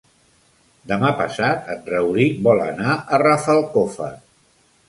Demà passat en Rauric vol anar a Rafelcofer.